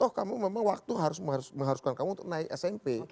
oh kamu memang waktu harus mengharuskan kamu untuk naik smp